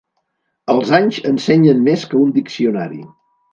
Els anys ensenyen més que un diccionari.